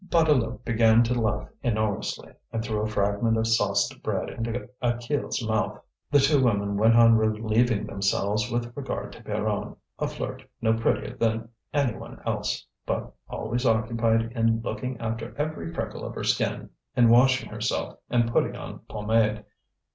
Bouteloup began to laugh enormously, and threw a fragment of sauced bread into Achille's mouth. The two women went on relieving themselves with regard to Pierronne a flirt, no prettier than any one else, but always occupied in looking after every freckle of her skin, in washing herself, and putting on pomade.